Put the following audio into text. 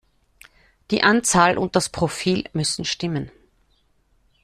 Die Anzahl und das Profil müssen stimmen.